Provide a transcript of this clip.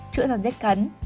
chữa rắn rách cắn